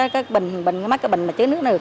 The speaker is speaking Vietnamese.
cái bình mấy cái bình mà chứa nước đó được